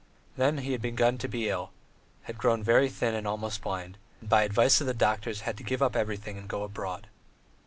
Then he had begun to be ill, had grown very thin and almost blind, and by the advice of the doctors had to give up everything and go abroad.